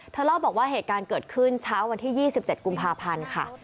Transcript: เล่าบอกว่าเหตุการณ์เกิดขึ้นเช้าวันที่๒๗กุมภาพันธ์ค่ะ